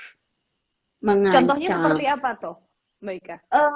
contohnya seperti apa tuh mbak ika